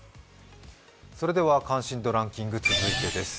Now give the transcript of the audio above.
関心度ランキング、続いてです。